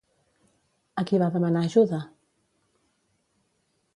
A qui va demanar ajuda?